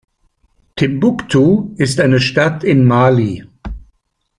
Timbuktu ist eine Stadt in Mali.